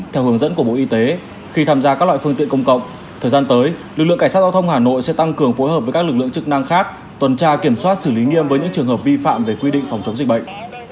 theo hướng dẫn của bộ y tế khi tham gia các loại phương tiện công cộng thời gian tới lực lượng cảnh sát giao thông hà nội sẽ tăng cường phối hợp với các lực lượng chức năng khác tuần tra kiểm soát xử lý nghiêm với những trường hợp vi phạm về quy định phòng chống dịch bệnh